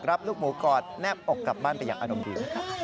ลูกหมูกอดแนบอกกลับบ้านไปอย่างอารมณ์ดี